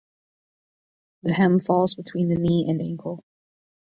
The hem falls between the knee and ankle.